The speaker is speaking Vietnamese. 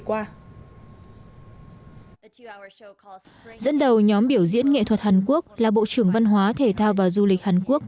dẫn đầu nhóm biểu diễn nghệ thuật hàn quốc là bộ trưởng văn hóa thể thao và du lịch hàn quốc